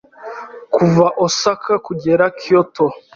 Kuva Osaka kugera Kyoto?